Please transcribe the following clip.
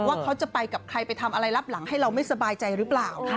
ว่าเขาจะไปกับใครไปทำอะไรรับหลังให้เราไม่สบายใจหรือเปล่า